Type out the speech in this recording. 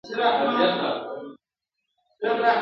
o وخوره او ونغره فرق لري!